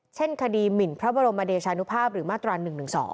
เช่นคดีหมินพระบรมเดชานุภาพหรือมาตรา๑๑๒